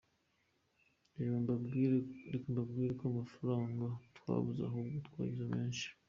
Reka mbambwire ko nta mafaranga twabuze ahubwo twagize menshi.